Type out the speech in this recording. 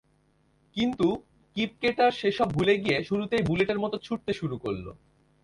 কিন্তু কিপকেটার সেসব ভুলে গিয়ে শুরুতেই বুলেটের মতো ছুটতে শুরু করল।